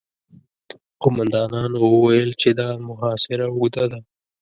قوماندانانو وويل چې دا محاصره اوږده ده.